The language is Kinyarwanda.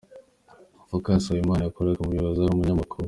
Phocas Habimana, yakoraga mu buyobozi ari n’umunyamakuru.